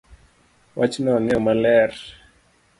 Wachno ang'eyo maler